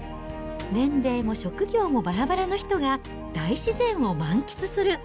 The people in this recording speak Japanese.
年齢も職業もばらばらの人が、大自然を満喫する。